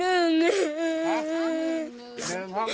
หนูรึเป็นห้องนอน